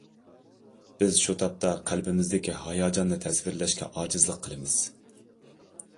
بىز شۇ تاپتا قەلبىمىزدىكى ھاياجاننى تەسۋىرلەشكە ئاجىزلىق قىلىمىز.